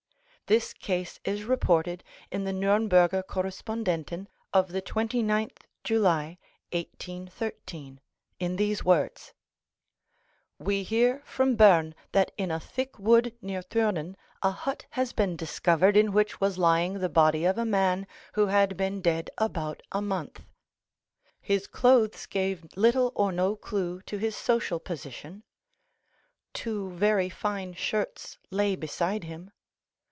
This case is reported in the "Nürnberger Correspondenten" of the 29th July 1813, in these words:—"We hear from Bern that in a thick wood near Thurnen a hut has been discovered in which was lying the body of a man who had been dead about a month. His clothes gave little or no clue to his social position. Two very fine shirts lay beside him.